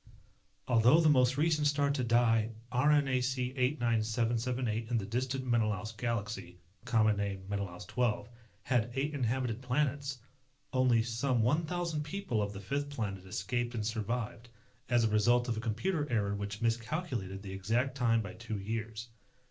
although the most recent star to die, RNAC 89778 in the distant Menelaus galaxy (common name, Menelaus XII), had eight inhabited planets, only some one thousand people of the fifth planet escaped and survived as a result of a computer error which miscalculated the exact time by two years.